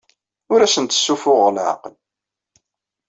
Ur asent-ssuffuɣeɣ leɛqel.